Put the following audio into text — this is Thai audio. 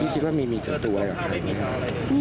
คิดว่ามีสัตว์ตัวอะไรกับเขา